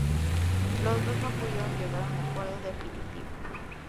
Los dos no pudieron llegar a un acuerdo definitivo.